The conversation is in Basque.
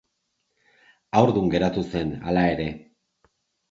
Haurdun geratu zen, hala ere.